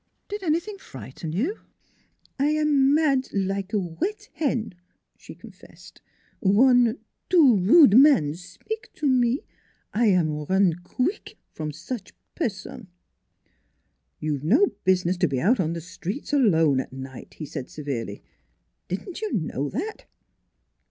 Did anything frighten you ?"" I am mad like wet hen," she confessed. " One two rude mans spik to me. I am run queek away from such person." " You have no business to be out on the streets alone at night," he said severely. " Didn't you know that?"